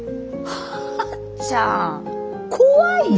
はっちゃん怖いよ。